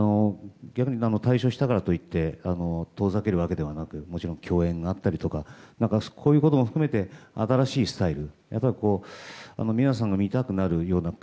退所したからといって遠ざけるわけではなくもちろん共演があったりとかそういうことも含めて新しいスタイル。